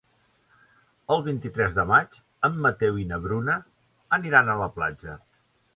El vint-i-tres de maig en Mateu i na Bruna aniran a la platja.